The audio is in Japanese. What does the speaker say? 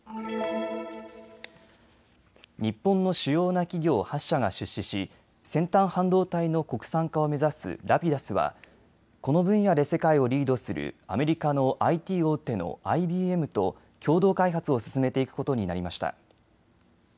日本の主要な企業８社が出資し先端半導体の国産化を目指すＲａｐｉｄｕｓはこの分野で世界をリードするアメリカのＩＴ大手のＩＢＭと共同開発を進めていくことになりました。